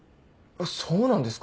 そうなんですか。